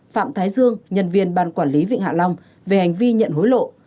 phạm thái dương nhân viên ban quản lý vịnh hạ long về hành vi nhận hối lộ